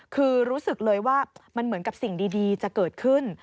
คือรู้สึกเลยว่ามันเหมือนกับสิ่งดีจะเกิดขึ้น